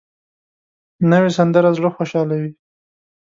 نوې سندره زړه خوشحالوي